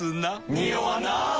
ニオわない！